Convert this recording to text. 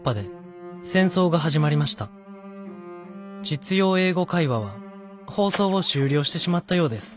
『実用英語会話』は放送を終了してしまったようです。